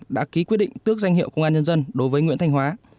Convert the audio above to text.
đã ký quyết định tước danh hiệu công an nhân dân đối với nguyễn thanh hóa